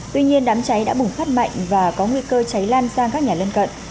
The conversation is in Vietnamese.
tuy nhiên đám cháy đã bùng phát mạnh và có nguy cơ cháy lan sang các nhà lân cận